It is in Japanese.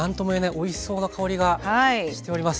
おいしそうな香りがしております。